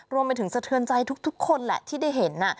รวมไปถึงสะเทือนใจทุกคนแหละที่ได้เห็น